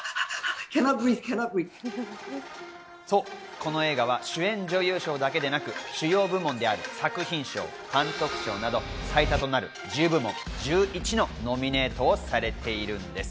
この映画は主演女優賞だけでなく主要部門や作品賞、監督賞など最多となる１０部門１１のノミネートをされているんです。